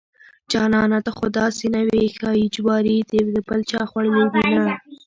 جانانه ته خوداسې نه وې ښايي جواري دې دبل چاخوړلي دينه